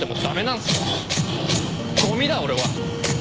ごみだ俺は